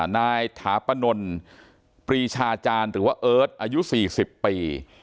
นายถาปนนปรีชาจารย์หรือว่าเอิร์ทอายุ๔๐ปี